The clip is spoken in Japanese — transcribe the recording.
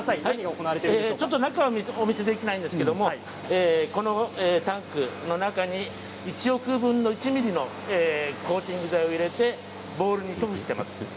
ちょっと中はお見せできないんですけどこのタンクの中に１億分の１ミリのコーティング剤を入れてボールに塗布しています。